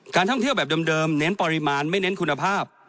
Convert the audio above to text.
ท่องเที่ยวแบบเดิมเน้นปริมาณไม่เน้นคุณภาพ